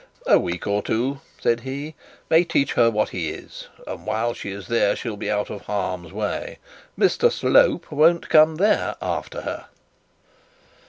'A week or two,' said he, 'may teach her what he is, and while she is there she will be out of harm's way. Mr Slope won't come there after her.'